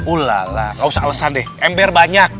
ula lah gak usah alesan deh ember banyak